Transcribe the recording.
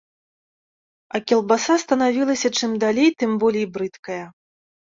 А кілбаса станавілася чым далей, тым болей брыдкая.